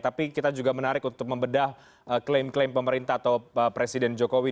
tapi kita juga menarik untuk membedah klaim klaim pemerintah atau presiden jokowi